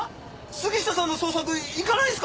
杉下さんの捜索行かないんすか？